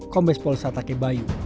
kombes pol satake bayu